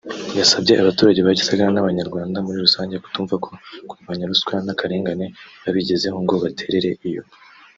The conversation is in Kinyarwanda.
yasabye abaturage ba Gisagara n’Abanyarwanda muri rusange kutumva ko kurwanya ruswa n’akarengane babigezeho ngo baterere iyo